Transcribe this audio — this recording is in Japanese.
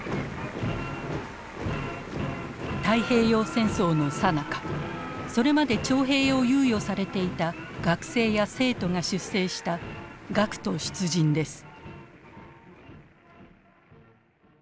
太平洋戦争のさなかそれまで徴兵を猶予されていた学生や生徒が出征した学徒出陣です。